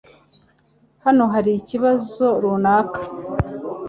Hano hari ikibazo runaka